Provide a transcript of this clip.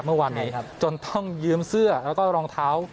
เมื่อวานนี้ครับจนต้องยืมเสื้อแล้วก็รองเท้า